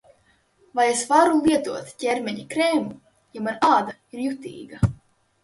Vai es varu lietot ķermeņa krēmu, ja mana āda ir jutīga?